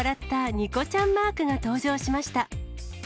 ニコちゃんマークが登場しました。